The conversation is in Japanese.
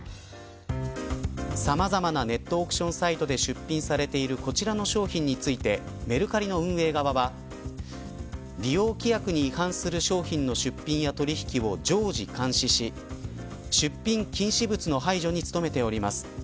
さまざまなネットオークションサイトで出品されているこちらの商品についてメルカリの運営側は利用規約に違反する商品の出品や取引を常時監視し出品禁止物の排除に努めております。